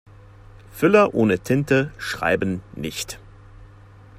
Füller ohne Tinte schreiben nicht.